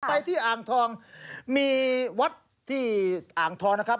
ไปที่อ่างทองมีวัดที่อ่างทองนะครับ